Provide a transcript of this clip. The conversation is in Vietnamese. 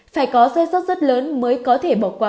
phải có xe sót rất lớn mới có thể bỏ qua